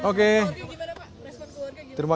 respon keluarga gimana dengan pemberitaan